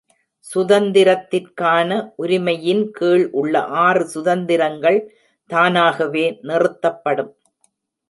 சுதந்திரத்திற்கான உரிமை -யின் கீழ் உள்ள ஆறு சுதந்திரங்கள் தானாகவே நிறுத்தப்படும்.